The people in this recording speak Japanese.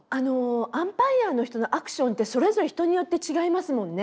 アンパイアの人のアクションってそれぞれ人によって違いますもんね。